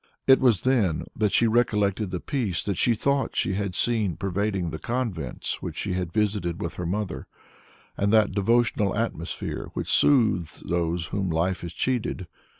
It was then that she recollected the peace that she thought she had seen pervading the convents which she had visited with her mother, and that devotional atmosphere which soothes those whom life has cheated.